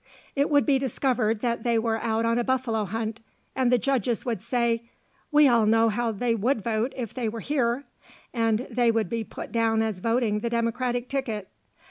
It would be discovered that they were out on a buffalo hunt, and the judges would say, "We all know how they would vote if they were here," and they would be put down as voting the Democratic ticket.